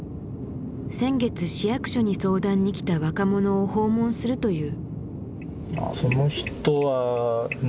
先月市役所に相談に来た若者を訪問するという。